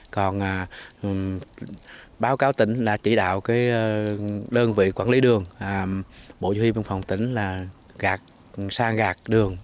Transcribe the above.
còn báo cáo tỉnh là chỉ đạo đơn vị quản lý đường bộ chủ yếu biên phòng tỉnh là sang gạt đường